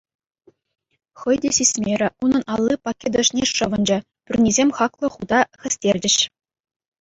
Хӑй те сисмерӗ, унӑн алли пакет ӑшне шӑвӑнчӗ, пӳрнисем хаклӑ хута хӗстерчӗҫ.